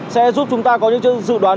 sẽ giúp chúng ta có những dự đoán